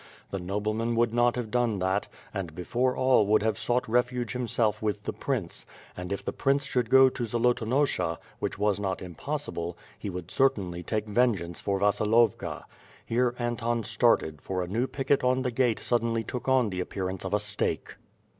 The nobleman would not have done that, and before all would have sought refuge himself with the prince; and if the prince should go to Zolotonosha, which was not impossible, he would certainly take vengeance for Vasilovka. Here Anton started, for a new picket on the gate suddenly took on the appearance of a stake.